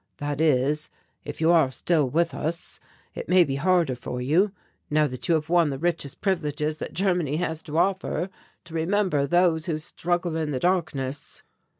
That is, if you are still with us. It may be harder for you, now that you have won the richest privileges that Germany has to offer, to remember those who struggle in the darkness."